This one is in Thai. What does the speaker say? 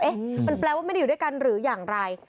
มันแปลว่าไม่ได้อยู่ด้วยกันหรืออย่างไร